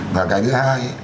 và cái thứ hai